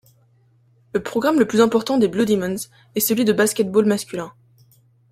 Le programme le plus important des Blue Demons est celui de basket-ball masculin.